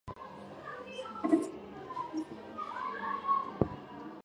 wa china hu jintao amewasili katika uwanja wa ndege wa orel jijini pari